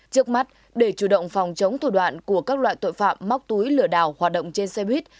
trước mắt để chủ động phòng chống thủ đoạn của các loại tội phạm móc túi lừa đào hoạt động trên xe buýt